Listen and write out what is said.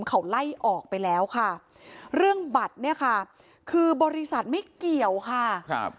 เขาไล่ออกไปแล้วค่ะเรื่องบัตรเนี่ยค่ะคือบริษัทไม่เกี่ยวค่ะครับ